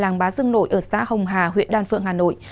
làng bá dương nội ở xã hồng hà huyện đan phượng hà nội